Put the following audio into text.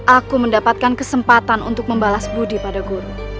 aku mendapatkan kesempatan untuk membalas budi pada guru